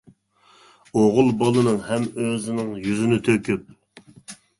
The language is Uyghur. ئوغۇل بالىنىڭ ھەم ئۆزىنىڭ يۈزىنى تۆكۈپ.